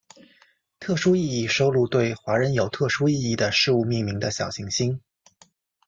特殊意义收录对华人有特殊意义的事物命名的小行星。